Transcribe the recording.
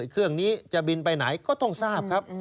เครื่องนี้จะบินไปไหนก็ต้องทราบครับ